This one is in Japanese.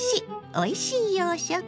おいしい洋食」。